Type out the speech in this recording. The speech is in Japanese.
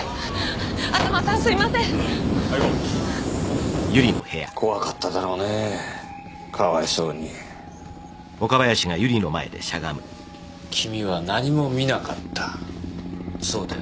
すいません行こう怖かっただろうねぇかわいそうに君は何も見なかったそうだよね？